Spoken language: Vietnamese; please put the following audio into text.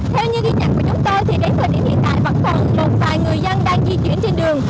theo như ghi nhận của chúng tôi thì đến thời điểm hiện tại vẫn còn một vài người dân đang di chuyển trên đường